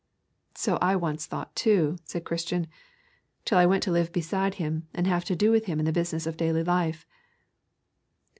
'So I once thought too,' said Christian, 'till I went to live beside him, and have to do with him in the business of daily life.'